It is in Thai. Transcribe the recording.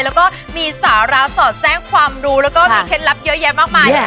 แล้วก็มีสาระสอดแทรกความรู้แล้วก็มีเคล็ดลับเยอะแยะมากมาย